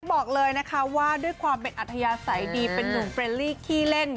บอกเลยนะคะว่าด้วยความเป็นอัธยาศัยดีเป็นนุ่มเฟรนลี่ขี้เล่น